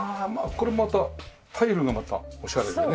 これまたタイルがまたオシャレでね。